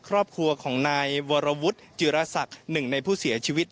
ครอบครัวของนายวรวุฒิจิรศักดิ์หนึ่งในผู้เสียชีวิต